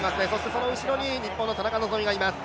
その後ろに日本の田中希実がいます。